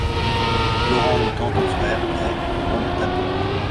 L’orang-outan ton frère, est, un homme à tâtons.